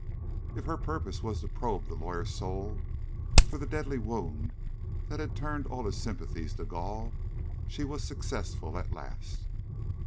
If her purpose was to probe the lawyer's soul for the deadly wound that had turned all his sympathies to gall, she was successful at last.